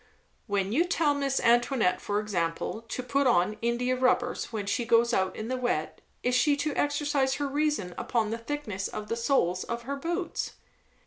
"When you tell Miss Antoinette, for example, to put on india rubbers when she goes out in the wet, is she to exercise her reason upon the thickness of the soles of her boots?"